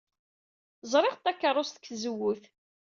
Ẓriɣ-d takeṛṛust seg tzewwut.